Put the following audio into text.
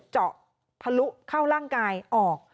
เจาะทะลุเข้าร่างกายออก